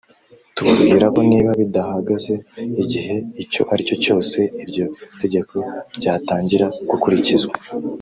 tubabwira ko niba bidahagaze igihe icyo ari cyo cyose iryo tegeko ryatangira gukurikizwa